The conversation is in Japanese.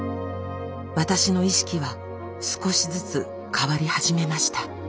私の意識は少しずつ変わり始めました。